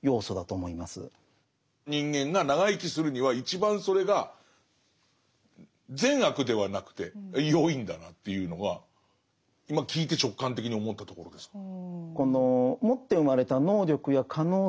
人間が長生きするには一番それが善悪ではなくてよいんだなというのは今聞いて直感的に思ったところですかね。